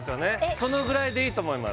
そのぐらいでいいと思います